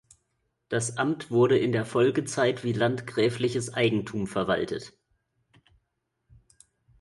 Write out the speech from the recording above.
Das Amt wurde in der Folgezeit wie landgräfliches Eigentum verwaltet.